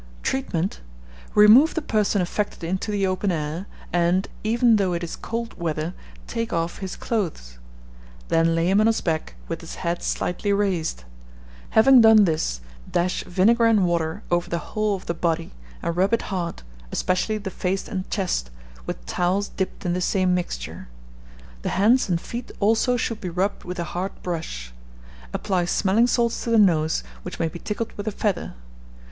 Treatment. Remove the person affected into the open air, and, even though it is cold weather, take off his clothes. Then lay him on his back, with his head slightly raised. Having done this, dash vinegar and water over the whole of the body, and rub it hard, especially the face and chest, with towels dipped in the same mixture. The hands and feet also should be rubbed with a hard brush. Apply smelling salts to the nose, which may be tickled with a feather.